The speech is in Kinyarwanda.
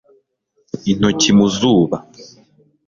Intoki mu zuba